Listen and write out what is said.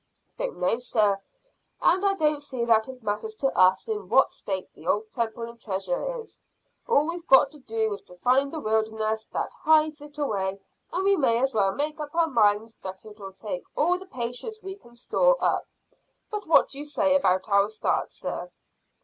"Don't know, sir, and I don't see that it matters to us in what State the old temple and its treasure is. All we've got to do is to find the wilderness that hides it away, and we may as well make up our minds that it'll take all the patience we can store up. But what do you say about our start, sir?"